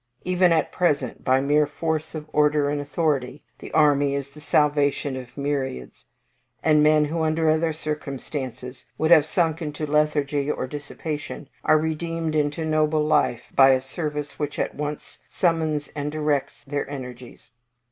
Even at present, by mere force of order and authority, the army is the salvation of myriads; and men who, under other circumstances, would have sunk into lethargy or dissipation, are redeemed into noble life by a service which at once summons and directs their energies.